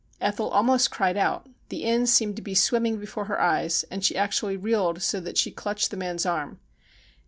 Ethel almost cried out, the inn seemed to be swimming before her eyes, and she actually reeled so that she clutched the man's arm.